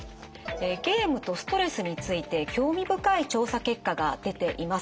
ゲームとストレスについて興味深い調査結果が出ています。